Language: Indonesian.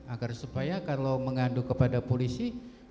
agar supaya kalau mengadu kepada polisi